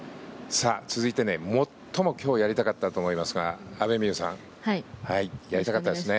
続いて最も今日やりたかったと思いますが阿部未悠さん。やりたかったですね。